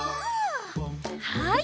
はい。